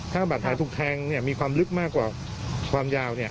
ถ้าบาดแผลถูกแทงเนี่ยมีความลึกมากกว่าความยาวเนี่ย